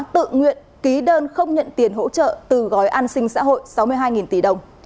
tự nguyện ký đơn không nhận tiền hỗ trợ từ gói an sinh xã hội sáu mươi hai tỷ đồng